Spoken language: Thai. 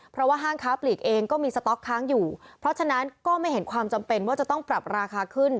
เพราะว่าห้างค้าปลีกเองก็มีสต๊อกค้างอยู่เพราะฉะนั้นก็ไม่เห็นความจำเป็นว่าจะต้องปรับราคาขึ้น